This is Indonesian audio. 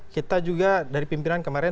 kita juga dari pimpinan kemarin